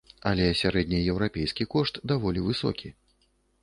Але сярэднееўрапейскі кошт даволі высокі.